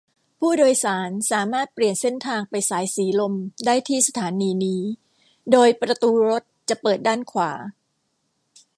ผู้โดยสารสามารถเปลี่ยนเส้นทางไปสายสีลมได้ที่สถานีนี้ โดยประตูรถจะเปิดด้านขวา